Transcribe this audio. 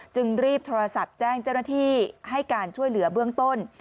จึงรีบโทรศัพท์แจ้งเจ้าหน้าที่ให้การช่วยเหลือเบื้องต้น